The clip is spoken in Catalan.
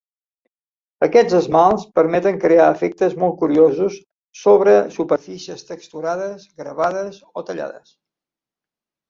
Aquests esmalts permeten crear efectes molt curiosos sobre superfícies texturades, gravades o tallades.